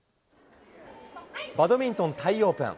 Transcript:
バドミントン、タイオープン。